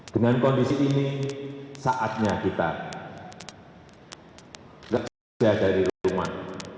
dengan kondisi ini saatnya kita bekerja dari rumah